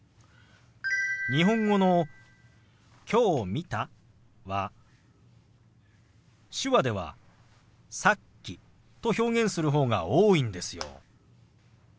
日本語の「きょう見た」は手話では「さっき」と表現する方が多いんですよ。